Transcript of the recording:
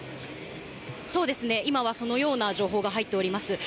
そうですね、今はそのような情報が入っております。